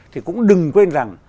thì cũng đừng quên rằng